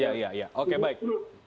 ya ya ya oke baik